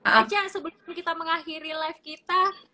acang sebelum kita mengakhiri live kita